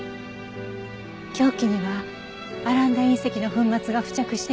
凶器にはアランダ隕石の粉末が付着していました。